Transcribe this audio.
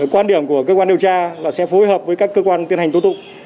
quan điểm của cơ quan điều tra là sẽ phối hợp với các cơ quan tiến hành tổ tục